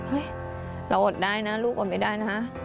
เราอดได้นะลูกอดไม่ได้นะ